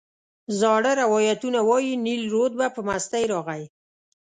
زاړه روایتونه وایي نیل رود به په مستۍ راغی.